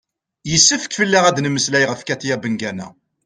yessefk fell-aɣ ad d-nemmeslay ɣef katia bengana